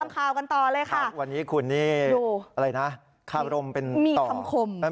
ข่าวกันต่อเลยค่ะครับวันนี้คุณนี่อะไรนะคารมเป็นคำคม